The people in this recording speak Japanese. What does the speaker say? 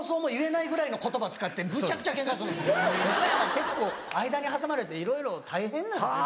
結構間に挟まれていろいろ大変なんですよ